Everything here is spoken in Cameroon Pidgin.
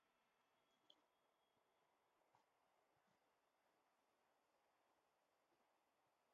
Yi jus dey like some small ngondere.